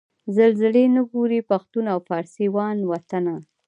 زلزلې نه ګوري پښتون او فارسي وان وطنه